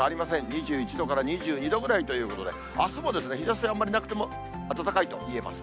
２１度から２２度ぐらいということで、あすも日ざしあんまりなくても、暖かいといえます。